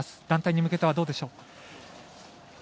団体に向けてはどうでしょう？